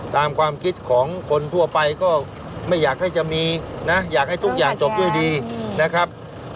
ความคิดของคนทั่วไปก็ไม่อยากให้จะมีนะอยากให้ทุกอย่างจบด้วยดีนะครับ